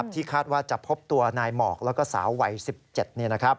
ที่คาดว่าจะพบตัวนายหมอกแล้วก็สาววัย๑๗